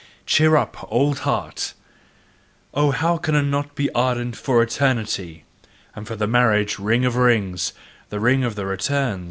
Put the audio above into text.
cheer up! old heart!" Oh, how could I not be ardent for Eternity, and for the marriage ring of rings the ring of the return?